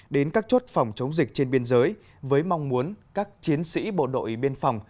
đến các chốt phòng chống dịch trên biên giới với mong muốn các chiến sĩ bộ đội biên phòng